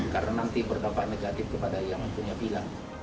karena nanti berdampak negatif kepada yang punya villa